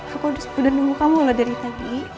aku udah sempet nunggu kamu lah dari tadi